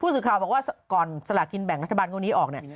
สื่อข่าวบอกว่าก่อนสลากินแบ่งรัฐบาลงวดนี้ออกเนี่ย